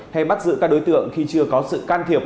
hay bắt giữ các đối tượng khi chưa có sự can thiệp